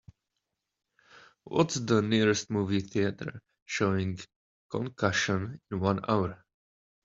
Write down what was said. what's the nearest movie theatre showing Concussion in one hour